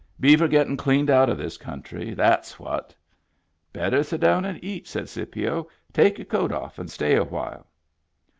Beaver gettin' cleaned out of this country. That's what" " Better sit down and eat," said Scipio. " Take your coat off and stay a while."